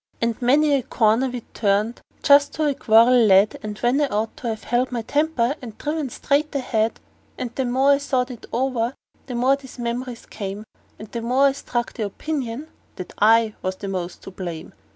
And many a corner we'd turned that just to a quarrel led, When I ought to 've held my temper, and driven straight ahead; And the more I thought it over the more these memories came, And the more I struck the opinion that I was the most to blame.